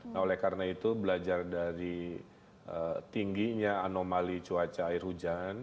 nah oleh karena itu belajar dari tingginya anomali cuaca air hujan